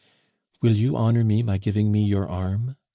"Will you honor me by giving me your arm?"